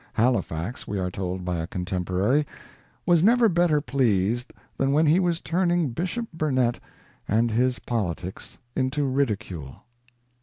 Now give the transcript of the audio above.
Halifax, we are told by a contemporary, ' was never better pleased than when he was turning Bishop Burnet and his politics into ridicule.'